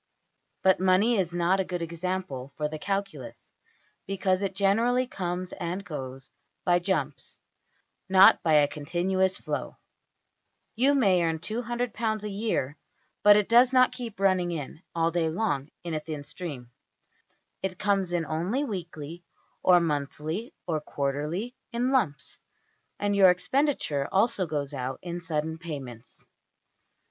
But money is not a good example for the calculus, because it generally comes and goes by jumps, not by a continuous flow you may earn £$200$ a year, but it does not keep running in all day long in a thin stream; it comes in only weekly, or monthly, or quarterly, in lumps: and your expenditure also goes out in sudden payments.